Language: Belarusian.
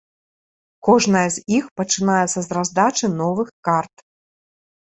Кожная з іх пачынаецца з раздачы новых карт.